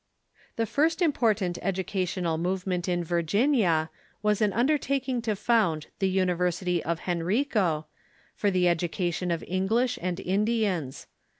The first important educational movement in Virginia was an undertaking to found the " University of Henrico," for the College of education of English and Indians.